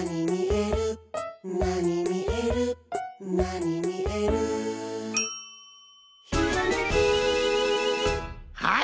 「なにみえるなにみえる」「ひらめき」はい！